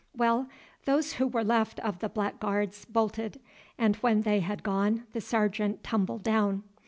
"Well, those who were left of the blackguards bolted, and when they had gone the Sergeant tumbled down.